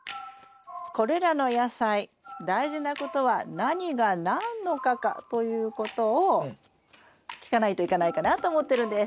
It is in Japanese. これらの野菜大事なことは何が何の科かということを聞かないといかないかなと思ってるんです。